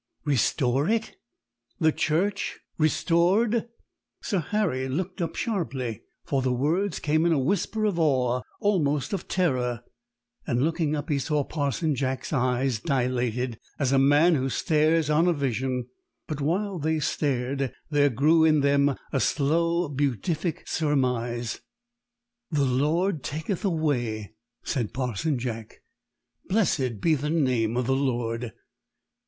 "Restore it! The church restored!" Sir Harry looked up sharply, for the words came in a whisper of awe, almost of terror; and looking up, he saw Parson Jack's eyes dilated as a man's who stares on a vision; but while they stared there grew in them a slow, beatific surmise. "The Lord taketh away," said Parson Jack. "Blessed be the name of the Lord!"